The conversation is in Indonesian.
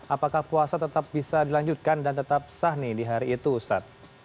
apakah puasa tetap bisa dilanjutkan dan tetap sah nih di hari itu ustadz